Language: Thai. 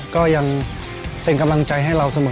ก็ยังเป็นกำลังใจให้เราเสมอ